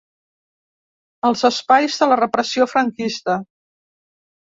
Els espais de la repressió franquista.